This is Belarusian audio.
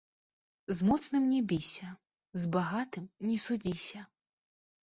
З моцным не біся, з багатым не судзіся